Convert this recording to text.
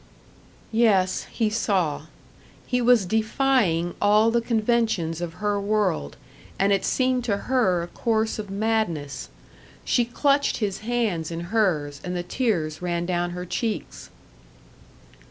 Yes, he saw. He was defying all the conventions of her world, and it seemed to her a course of madness. She clutched his hands in hers, and the tears ran down her cheeks.